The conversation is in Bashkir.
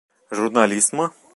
Журналисмы?